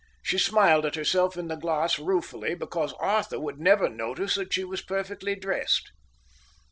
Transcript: She smiled at herself in the glass ruefully, because Arthur would never notice that she was perfectly dressed.